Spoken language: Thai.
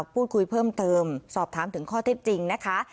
พูดคุยเพิ่มเติมสอบถามถึงข้อเท็จจริงนะคะ